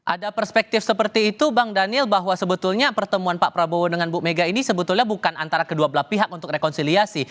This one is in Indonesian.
ada perspektif seperti itu bang daniel bahwa sebetulnya pertemuan pak prabowo dengan bu mega ini sebetulnya bukan antara kedua belah pihak untuk rekonsiliasi